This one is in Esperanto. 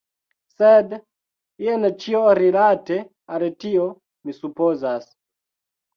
Sed... jen ĉio rilate al tio, mi supozas.